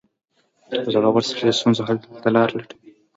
• زړور سړی د ستونزو حل ته لاره لټوي.